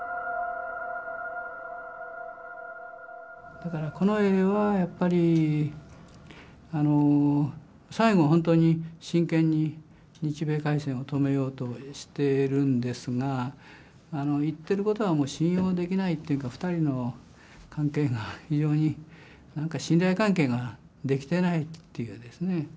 だから近衛はやっぱり最後本当に真剣に日米開戦を止めようとしてるんですが言ってることはもう信用できないっていうか２人の関係が非常になんか信頼関係ができてないっていうですね。